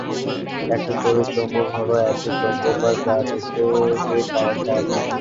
একটি তড়িৎ চৌম্বক হল একটি চৌম্বক যা বৈদ্যুতিক কারেন্ট দ্বারা নির্মিত।